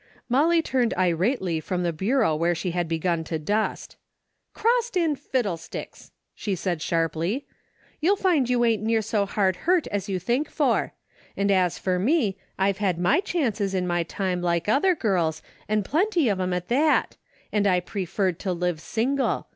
Molly turned irately from the bureau where she had begun to dust. 290 A DAILY RATE:'> " Crossed in fiddlesticks !" she said, sharply. "You'll find you ain't near so hard hurt as you think for. And as for me, I've had my chances in my time like other girls, and plenty of 'em at that, an' I perferred to live single.